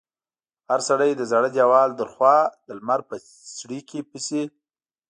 هر سړي د زاړه دېوال تر خوا د لمر په څړیکې پسې.